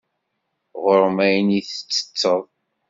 Ɣur-m ayen i ttetteḍ.